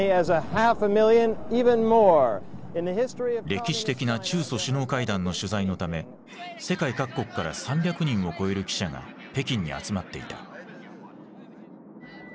歴史的な中ソ首脳会談の取材のため世界各国から３００人を超える記者が北京に集まっていた。